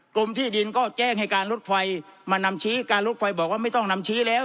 กรมที่ดินก็แจ้งให้การรถไฟมานำชี้การรถไฟบอกว่าไม่ต้องนำชี้แล้ว